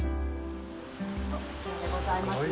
こちらでございますね。